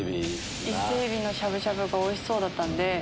伊勢海老のしゃぶしゃぶがおいしそうだったんで。